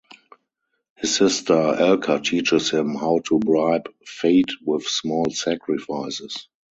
His sister Elka teaches him how to bribe fate with small sacrifices.